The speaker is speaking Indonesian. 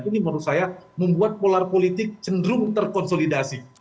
ini menurut saya membuat polar politik cenderung terkonsolidasi